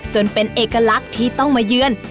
จนเป็นเอกลักษณ์ที่ต้องมาเยือน